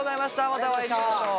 またお会いしましょう。